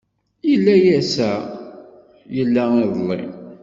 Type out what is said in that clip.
Yella ass-a yella iḍeli.